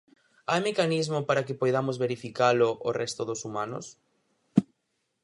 ¿Hai mecanismo para que poidamos verificalo o resto dos humanos?